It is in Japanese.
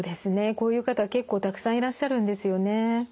こういう方は結構たくさんいらっしゃるんですよね。